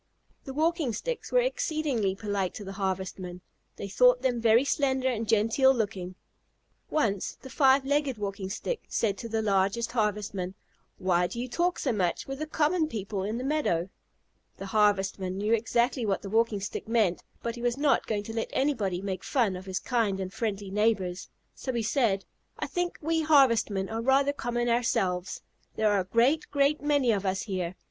The Walking Sticks were exceedingly polite to the Harvestmen. They thought them very slender and genteel looking. Once the Five Legged Walking Stick said to the largest Harvestman, "Why do you talk so much with the common people in the meadow?" The Harvestman knew exactly what the Walking Stick meant, but he was not going to let anybody make fun of his kind and friendly neighbors, so he said: "I think we Harvestmen are rather common ourselves. There are a great, great many of us here.